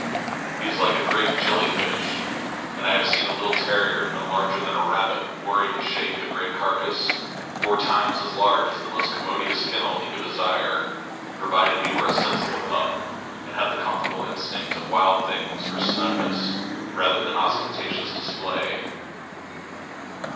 He is like a great jelly fish, and I have seen a little terrier no larger than a rabbit worry and shake a great carcass four times as large as the most commodious kennel he could desire, provided he were a sensible pup and had the comfortable instinct of wild things for snugness rather than ostentatious display.